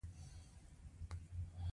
هغوی په مبارزه کې پاخه شوي دي.